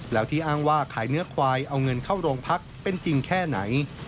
แล้วที่อ้างว่าขายเนื้อควายเอาเงินเข้าโรงพักเป็นจริงแค่ไหน